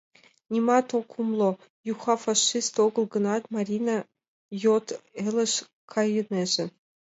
Нимат ок умыло: Юхо фашист огыл гынат, Марина йот элыш кайынеже...